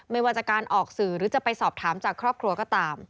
ไม่ว่าจะการออกสื่อหรือจะไปสอบถามจากครอบครัวก็ตาม